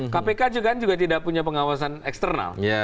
kpk juga kan juga tidak punya pengawasan eksternal